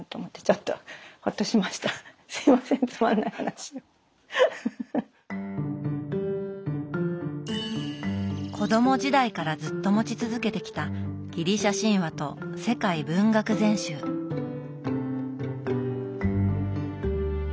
子ども時代からずっと持ち続けてきた「ギリシア神話」と「世界文學全集」。